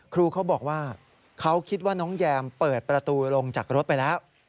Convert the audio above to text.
ครูเขาบอกว่าเขาคิดว่าน้องแยมเปิดประตูลงจากรถไปแล้ว